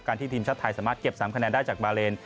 ที่ทีมชาติไทยสามารถเก็บ๓คะแนนได้จากบาเลน